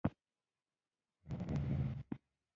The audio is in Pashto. هغه د ښوونځي غوره زده کوونکی و.